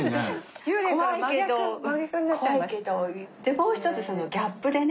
もう一つそのギャップでね